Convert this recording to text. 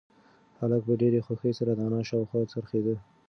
هلک په ډېرې خوښۍ سره د انا شاوخوا څرخېده.